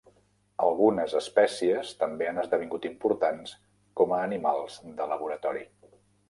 Algunes espècies també han esdevingut importants com a animals de laboratori.